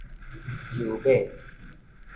洲尾